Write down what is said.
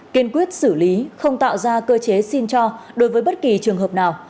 kiên quyết xử lý không tạo ra cơ chế xin cho đối với bất kỳ trường hợp nào